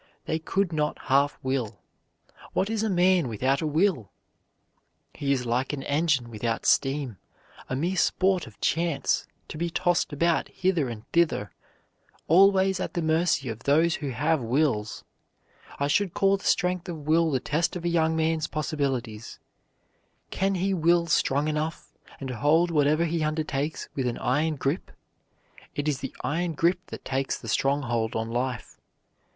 They could not half will. What is a man without a will? He is like an engine without steam, a mere sport of chance, to be tossed about hither and thither, always at the mercy of those who have wills. I should call the strength of will the test of a young man's possibilities. Can he will strong enough, and hold whatever he undertakes with an iron grip? It is the iron grip that takes the strong hold on life.